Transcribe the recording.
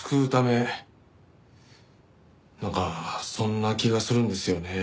なんかそんな気がするんですよね。